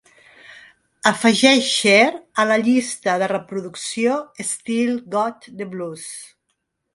Afegeix Cher a la llista de reproducció Still Got the Blues